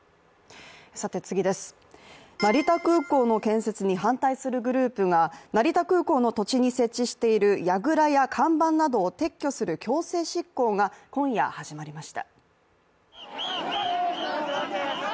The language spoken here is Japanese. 成田空港の建設に反対するグループが成田空港の土地に設置しているやぐらや看板などを撤去する強制執行が今夜、始まりました。